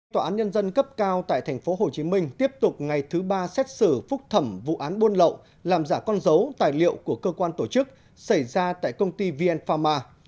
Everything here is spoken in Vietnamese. tòa án nhân dân cấp cao tại tp hcm tiếp tục ngày thứ ba xét xử phúc thẩm vụ án buôn lậu làm giả con dấu tài liệu của cơ quan tổ chức xảy ra tại công ty vn pharma